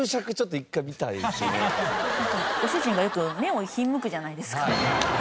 なんかご主人がよく目をひんむくじゃないですか。